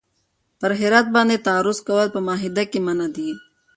پر هرات باندې تعرض کول په معاهده کي منع دي.